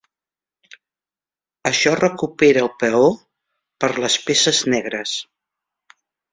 Això recupera el peó per les peces negres.